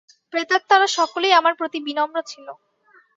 প্রেতাত্মারা সকলেই আমার প্রতি বিনম্র ছিল।